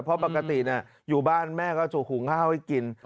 เพราะปกติอยู่บ้านแม่ก็จะหุงข้าวให้กิน